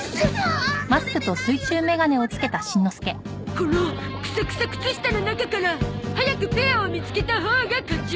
このクサクサ靴下の中から早くペアを見つけたほうが勝ち！